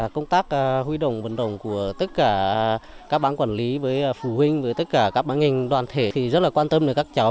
công tác huy động vận động của tất cả các bán quản lý với phụ huynh với tất cả các bán ngành đoàn thể thì rất là quan tâm đến các cháu